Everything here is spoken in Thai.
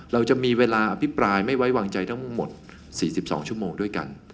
เราจะมีเวลาอภิปรายไม่ไว้วางใจทั้งหมด๔๒ชั่วโมงด้วยกัน